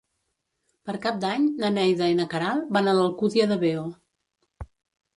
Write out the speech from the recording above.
Per Cap d'Any na Neida i na Queralt van a l'Alcúdia de Veo.